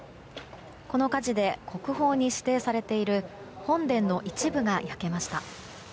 この火事で国宝に指定されている本殿の一部が焼けました。